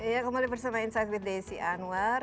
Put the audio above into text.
ya kembali bersama insight with desi anwar